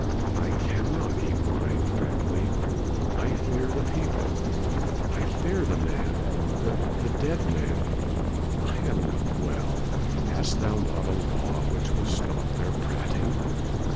"'I cannot,' he whined fretfully, 'I fear the people I fear the man the the dead man. I am not well. Hast thou not a law which will stop their prating?